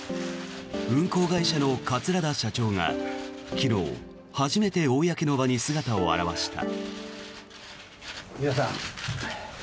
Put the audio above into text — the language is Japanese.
運航会社の桂田社長が昨日初めて公の場に姿を現した。